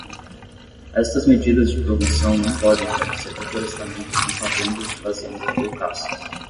Estas medidas de promoção não podem fornecer reflorestamento com fazendas de fazenda ou caça.